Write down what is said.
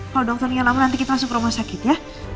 kalau dokternya lama nanti kita masuk ke rumah sakit ya